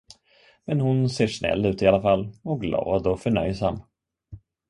Men hon ser snäll ut i alla fall och glad och förnöjsam.